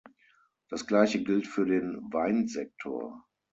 Das gleiche gilt für den Weinsektor.